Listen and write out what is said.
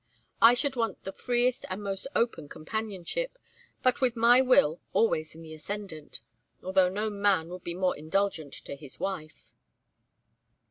I should want the freest and most open companionship, but with my will always in the ascendant although no man would be more indulgent to his wife."